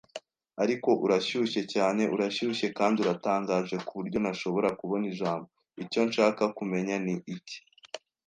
"Ariko urashyushye cyane urashyushye kandi uratangaje kuburyo ntashobora kubona ijambo. Icyo nshaka kumenya ni iki: